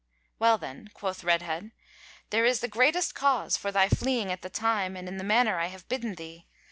"Well then," quoth Redhead, "there is the greater cause for thy fleeing at the time and in the manner I have bidden thee.